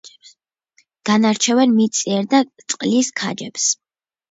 განარჩევენ მიწიერ და წყლის ქაჯებს.